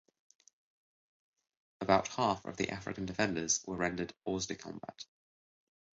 About half of the African defenders were rendered hors de combat.